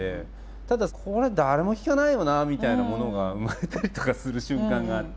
ただこれ誰も聴かないよなみたいなものが生まれたりとかする瞬間があって。